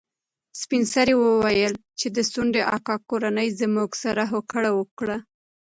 سپین سرې وویل چې د ځونډي اکا کورنۍ زموږ سره هوکړه وکړه.